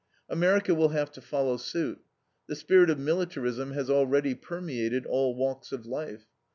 America will have to follow suit. The spirit of militarism has already permeated all walks of life.